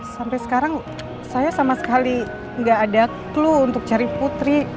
sampai sekarang saya sama sekali nggak ada clue untuk cari putri